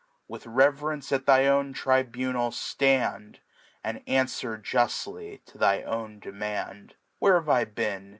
With Rev'rence at thy own Tribunal ilandi' ^.. Andjanfwer juftly to thy own Demand Where ha^e I beea?